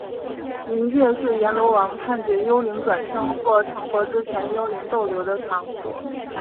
冥界是阎罗王判决幽灵转生或成佛之前幽灵逗留的场所。